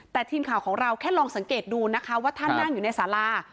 แต่ทีมข่าวของเราแค่ลองสังเกตดูนะคะว่าท่านนั่งอยู่ในสารา